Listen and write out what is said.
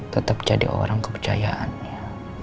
tetap jadi orang kepercayaannya